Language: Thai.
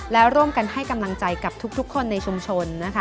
และร่วมกันให้กำลังใจกับทุกคนในชุมชนนะคะ